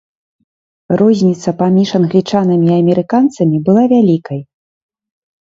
Розніца паміж англічанамі і амерыканцамі была вялікай.